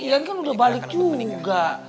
ya kan kan udah balik juga